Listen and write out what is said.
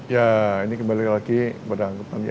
ya ini kembali lagi kepada anggota kami